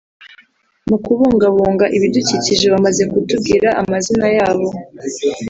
mu kubungabunga ibidukikije; bamaze kutubwira amazina yabo